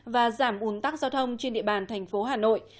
và giảm uống tắc giao thông trên địa bàn thành phố hà nội